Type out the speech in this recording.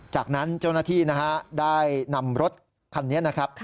จากนั้นเจ้าหน้าที่นะฮะได้นำรถคันนี้นะครับ